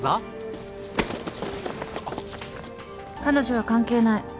彼女は関係ない。